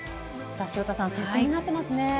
潮田さん接戦になっていますね。